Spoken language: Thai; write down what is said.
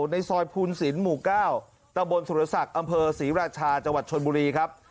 ในซอยภูนศิลปหมู่๙ตะบนสุรศักดิ์อำเภอศรีราชาจังหวัดชนบุรีครับ